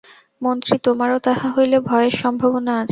মন্ত্রী, তোমারও তাহা হইলে ভয়ের সম্ভাবনা আছে।